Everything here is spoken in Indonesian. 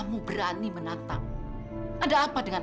bunga cukup nak